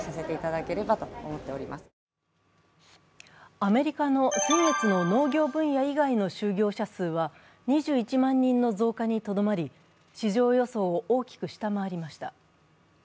アメリカの先月の農業分野以外の就業者数は２１万人の増加にとどまり、市場予想を大きく下回りました。